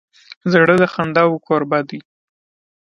زړه د خنداوو کوربه دی.